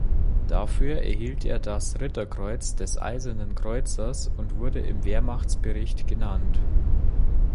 Dafür erhielt er das Ritterkreuz des Eisernen Kreuzes und wurde im Wehrmachtbericht genannt.